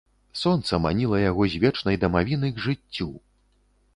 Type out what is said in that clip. Сонца маніла яго з вечнай дамавіны к жыццю.